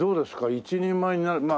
一人前になるまあ